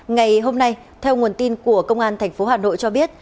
ngày hôm nay theo nguồn tin của công an tp hà nội cho biết